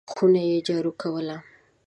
خونه یې جارو کوله !